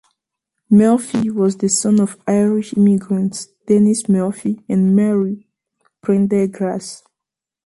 Murphy was the son of Irish immigrants Dennis Murphy and Mary Prendergrass.